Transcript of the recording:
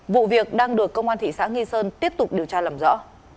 vụ việc đang được công an thị xã nghi sơn tiếp tục điều tra làm rõ